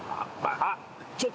あっ！